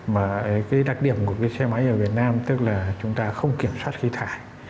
mà cái đặc điểm của cái xe máy ở việt nam tức là chúng ta không kiểm soát khí thải